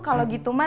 kalau gitu mak